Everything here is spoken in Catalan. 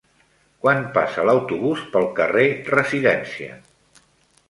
Quan passa l'autobús pel carrer Residència?